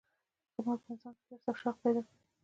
قمار په انسان کې حرص او شوق پیدا کوي.